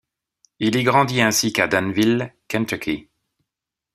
Il y grandit ainsi qu'à Danville, Kentucky.